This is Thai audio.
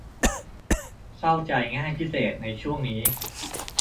เศร้าใจง่ายพิเศษในช่วงนี้